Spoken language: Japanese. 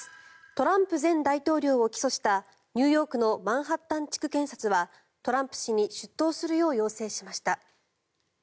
トランプ前大統領を起訴したニューヨークのマンハッタン地区検察はトランプ氏に出頭するよう要請しました。